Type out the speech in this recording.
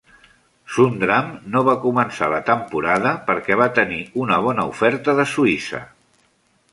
Sundram no va començar la temporada perquè va tenir una bona oferta de Suïssa.